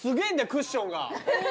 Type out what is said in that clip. クッションが。